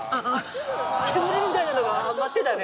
煙みたいなのが舞ってたね。